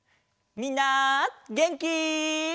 みんなげんき？